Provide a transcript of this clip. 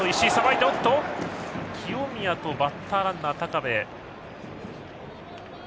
清宮とバッターランナーの高部が。